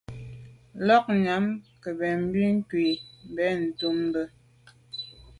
Lagnyam ke mbèn ngù wut ben ndume.